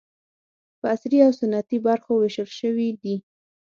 په عصري او سنتي برخو وېشل شوي دي.